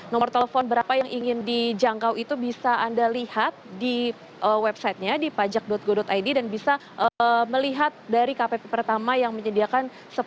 nomor telepon berapa yang ingin dijangkau itu bisa anda lihat di websitenya di pajak go id dan bisa melihat dari kpp pertama yang menyediakan